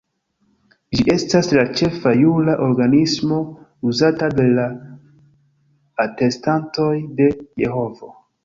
Ĝi estas la ĉefa jura organismo uzata de la Atestantoj de Jehovo.